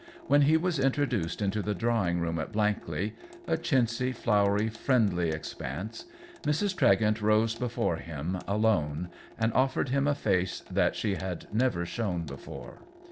When he was introduced into the drawing room at Blankley — a chintzy, flowery, friendly ex panse — Mrs. Tregent rose before him alone and offered him a face that she had never shown before.